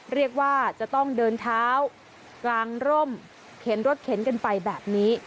เรียกว่าจะต้องเดินเท้ากลางร่มเข็นรถเข็นกันไปแบบนี้